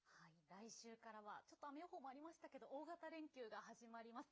来週からはちょっと雨予報もありましたけど大型連休が始まります。